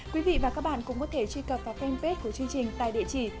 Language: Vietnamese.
quý vị và các bạn cũng có thể truy cập vào fanpage của chương trình tại địa chỉ